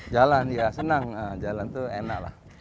jalan ya senang jalan itu enaklah